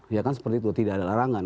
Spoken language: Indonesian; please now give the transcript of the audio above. ya kan seperti itu tidak ada larangan